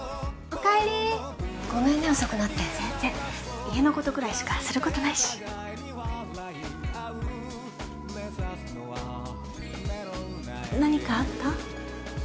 お帰りごめんね遅くなって全然家のことぐらいしかすることないし何かあった？